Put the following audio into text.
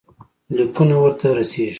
لیکونه ورته ورسیږي.